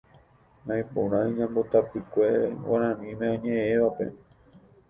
Naiporãi ñambotapykue Guaraníme oñeʼẽvape.